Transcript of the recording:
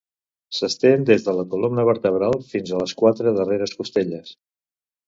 S'estén des de la columna vertebral fins a les quatre darreres costelles.